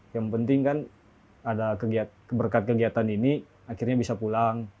yang penting kan ada berkat kegiatan ini akhirnya bisa pulang